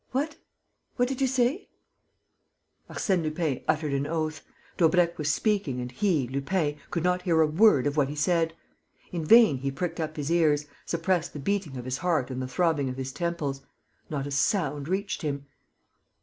What? What did you say?" Arsène Lupin muttered an oath. Daubrecq was speaking and he, Lupin, could not hear a word of what he said! In vain, he pricked up his ears, suppressed the beating of his heart and the throbbing of his temples: not a sound reached him.